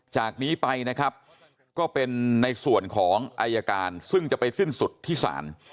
จากนี้ไปนะครับก็เป็นในส่วนของอายการซึ่งจะไปสิ้นสุดที่ศาล